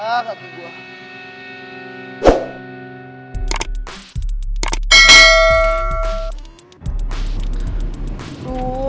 dua kaki gue